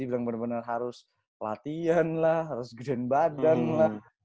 dibilang bener bener harus latihan lah harus gedein badan lah